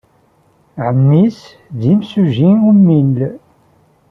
Ɛemmi-s d imsujji ummil.